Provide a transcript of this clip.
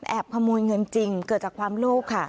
ขโมยเงินจริงเกิดจากความโลภค่ะ